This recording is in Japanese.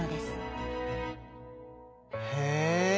へえ。